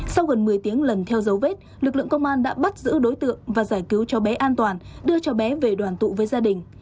sau gần một mươi tiếng lần theo dấu vết lực lượng công an đã bắt giữ đối tượng và giải cứu cháu bé an toàn đưa cháu bé về đoàn tụ với gia đình